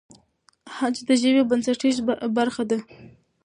خج د ژبې بنسټیزه برخه ده.